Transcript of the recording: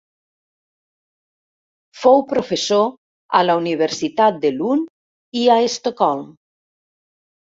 Fou professor a la Universitat de Lund i a Estocolm.